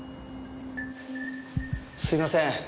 すいません。